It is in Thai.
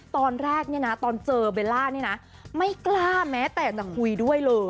ตอนแรกเนี่ยนะตอนเจอเบลล่านี่นะไม่กล้าแม้แต่จะคุยด้วยเลย